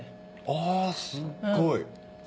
あすっごい。